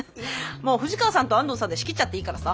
もう藤川さんと安藤さんで仕切っちゃっていいからさ。